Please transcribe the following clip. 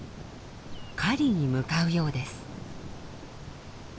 狩りに向かうようです。